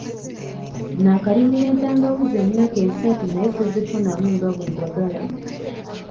Naakalimira entangawuuzi emyaka esatu naye sizifunamu nga bwe njagala.